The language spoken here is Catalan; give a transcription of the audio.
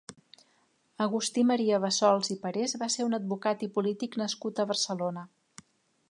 Agustí Maria Bassols i Parés va ser un advocat i polític nascut a Barcelona.